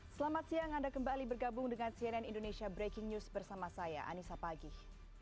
selamat siang anda kembali bergabung dengan cnn indonesia breaking news bersama saya anissa pagih